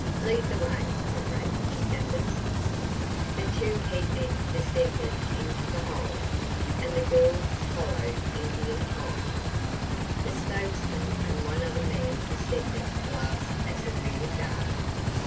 Lead the way, comrad kidnappers." The two head men descended into the hole, and the girls followed Indian file. The spokesman and one other man descended last as a rear guard.